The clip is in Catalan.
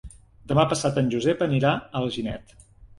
Demà passat en Josep anirà a Alginet.